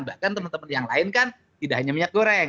bahkan teman teman yang lain kan tidak hanya minyak goreng